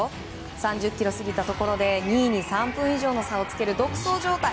３０ｋｍ過ぎたところで２位に３分以上の差をつける独走状態。